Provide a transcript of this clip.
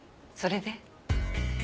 それで？